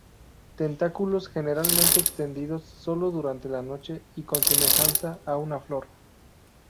Tentáculos generalmente extendidos sólo durante la noche, y con semejanza a una flor.